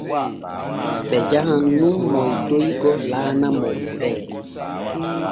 Ɓe jahan nun moytoygo laana Monpee.